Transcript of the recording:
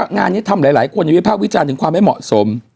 งานนี้ทำหลายคนวิพากษ์วิจารณ์ถึงความไม่เหมาะสม